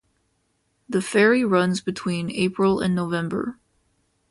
The ferry runs between April and November.